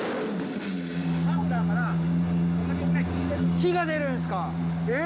火が出るんですかえっ？